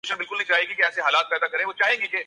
وہ جو کچہری لاہور میں لگاتے تھے۔